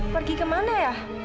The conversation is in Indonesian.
pergi ke mana ya